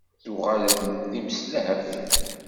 Tuɣalem d imeslab?